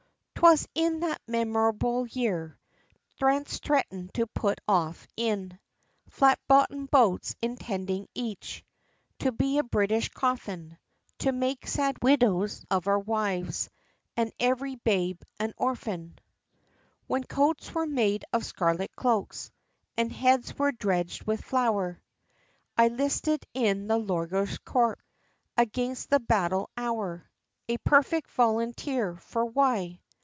I. 'Twas in that memorable year France threaten'd to put off in Flat bottom'd boats, intending each To be a British coffin, To make sad widows of our wives, And every babe an orphan: II. When coats were made of scarlet cloaks, And heads were dredg'd with flour, I listed in the Lawyer's Corps, Against the battle hour; A perfect Volunteer for why?